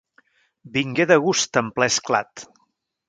Vingué de gust en ple esclat.